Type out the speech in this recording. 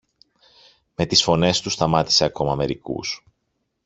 Με τις φωνές του σταμάτησε ακόμα μερικούς.